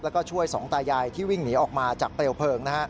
แล้วก็ช่วยสองตายายที่วิ่งหนีออกมาจากเปลวเพลิง